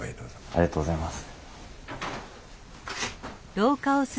ありがとうございます。